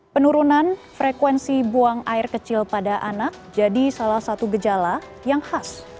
penurunan frekuensi buang air kecil pada anak jadi salah satu gejala yang khas